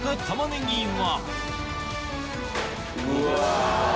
うわ。